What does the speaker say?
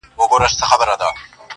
چي توري څڼي پرې راوځړوې.